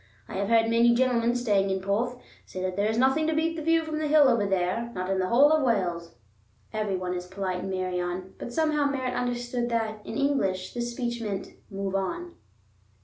I have heard many gentlemen staying in Porth say that there is nothing to beat the view from the hill over there, not in the whole of Wales." Every one is polite in Meirion, but somehow Merritt understood that, in English, this speech meant "move on."